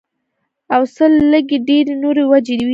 او څۀ لږې ډېرې نورې وجې وي